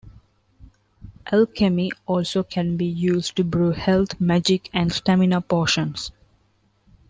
Alchemy also can be used to brew health, magic, and stamina potions.